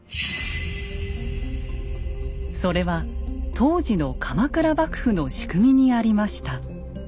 それは当時の鎌倉幕府の仕組みにありました。